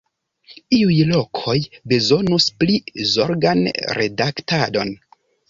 Iuj lokoj bezonus pli zorgan redaktadon.